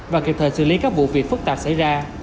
và kịp thời xử lý các vụ việc phức tạp xảy ra